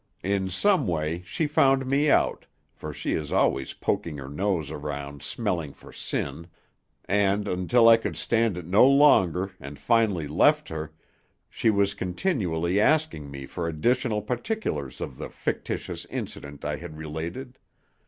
In some way she found me out, for she is always poking her nose around smelling for sin; and, until I could stand it no longer and finally left her, she was continually asking me for additional particulars of the fictitious incident I had related.